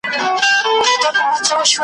شا او مخ ته یې پر هر وګړي بار کړل .